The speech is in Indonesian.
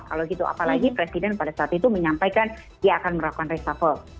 kalau gitu apalagi presiden pada saat itu menyampaikan dia akan melakukan reshuffle